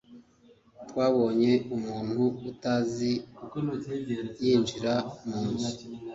twabonye umuntu utazi yinjira mu nzu